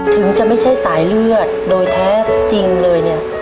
ถึงจะไม่ใช่สายเลือดโดยแท้จริงเลยเนี่ย